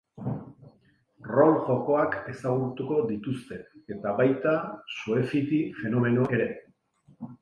Rol jokoak ezagutuko dituzte eta baita shoefiti fenomenoa ere.